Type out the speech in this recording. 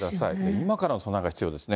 今からの備えが必要ですね。